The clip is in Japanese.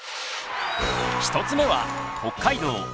１つ目は北海道